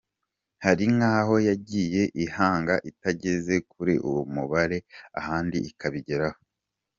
Hari nk’aho yagiye ihanga itageze kuri uwo mubare ahandi ikabigeraho.